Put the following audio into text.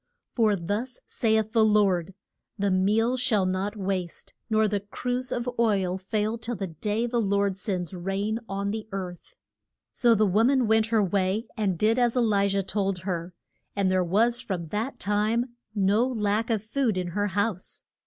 For thus saith the Lord, The meal shall not waste, nor the cruse of oil fail till the day the Lord sends rain on the earth. So the wo man went her way and did as E li jah told her, and there was from that time no lack of food in her house.